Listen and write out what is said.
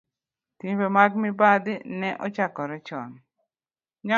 Timbe mag mibadhi ne ochakore chon,